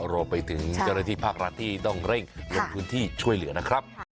รวมไปถึงเจ้าหน้าที่ภาครัฐที่ต้องเร่งลงพื้นที่ช่วยเหลือนะครับ